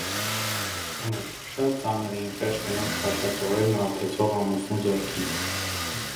Ծանր, շատ ծանր էին խեղճ կնոջ քաշած օրերն արբեցող ամուսնու ձեռքին: